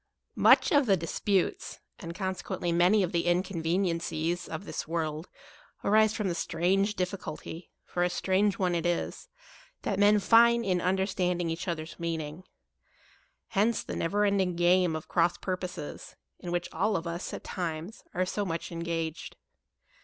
MUCH of the disputes, and consequent ly many of the inconveniencies, of this world, arise from the strange difficulty (for a strange one it is) that men find in understanding each other's meaning. Hence the never ending game of cross purposes, in which all of us, at times, are so much engaged.